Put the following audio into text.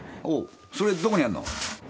おうそれどこにあんの？